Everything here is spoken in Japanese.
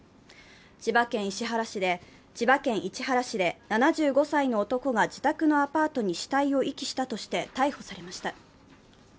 千葉県市原市で７５歳の男が自宅のアパートに死体を遺棄したとして逮捕されました。